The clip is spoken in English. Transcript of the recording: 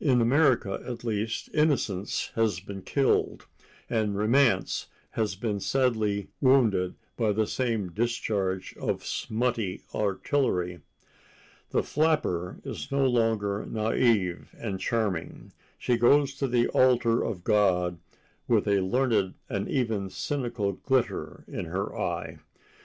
In America, at least, innocence has been killed, and romance has been sadly wounded by the same discharge of smutty artillery. The flapper is no longer naïve and charming; she goes to the altar of God with a learned and even cynical glitter in her eye.